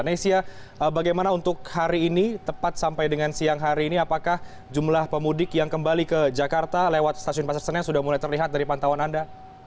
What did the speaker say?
nesya bagaimana untuk hari ini tepat sampai dengan siang hari ini apakah jumlah pemudik yang kembali ke jakarta lewat stasiun pasar senen sudah mulai terlihat dari pantauan anda